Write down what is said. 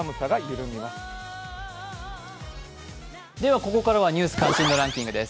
ここからは「ニュース関心度ランキング」です。